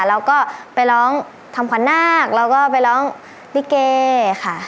แล้วก็ไปร้องทำขวัญนาคแล้วก็ไปร้องลิเกค่ะ